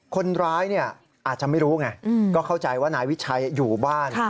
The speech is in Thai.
คนร้ายอาจจะไม่รู้ไงก็เข้าใจว่านายวิชัยอยู่บ้าน